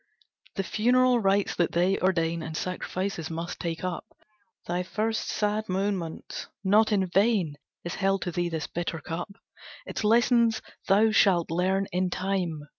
"The funeral rites that they ordain And sacrifices must take up Thy first sad moments; not in vain Is held to thee this bitter cup; Its lessons thou shall learn in time!